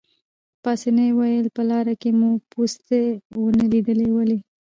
پاسیني وویل: په لاره کې مو پوستې ونه لیدې، ولې؟